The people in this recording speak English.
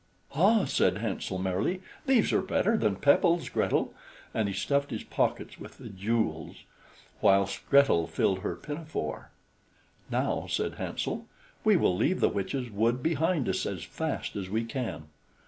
"Ah!" said Hansel merrily, "these are better than pebbles, Gretel," and he stuffed his pockets with the jewels, whilst Gretel filled her pinafore. "Now," said Hansel, "we will leave the witch's wood behind us as fast as we can."